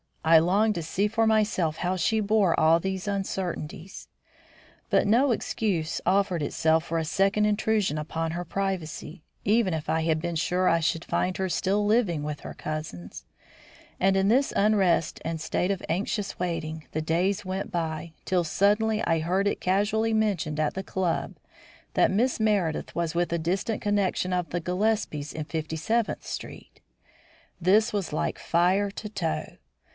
I longed to see for myself how she bore all these uncertainties. But no excuse offered itself for a second intrusion upon her privacy, even if I had been sure I should find her still living with her cousins; and in this unrest and state of anxious waiting, the days went by, till suddenly I heard it casually mentioned at the Club that Miss Meredith was with a distant connection of the Gillespies in Fifty seventh Street. This was like fire to tow.